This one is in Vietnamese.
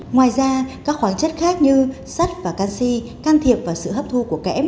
ngoài ra các khoáng chất khác như sắt và canxi can thiệp vào sự hấp thu của kẽm